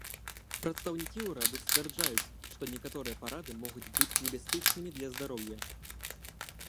Прадстаўнікі ўраду сцвярджаюць, што некаторыя парады могуць быць небяспечнымі для здароўя.